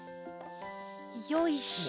よいしょ。